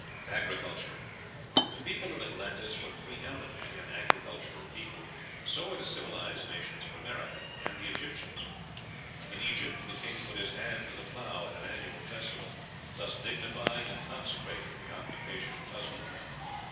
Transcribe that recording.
Agriculture. The people of Atlantis were pre eminently an agricultural people; so were the civilized nations of America and the Egyptians. In Egypt the king put his hand to the plough at an annual festival, thus dignifying and consecrating the occupation of husbandry.